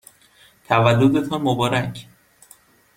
تولدتان مبارک!